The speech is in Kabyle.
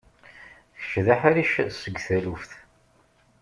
Kečč d aḥric seg taluft.